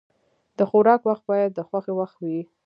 د خوراک وخت باید د خوښۍ وخت وي.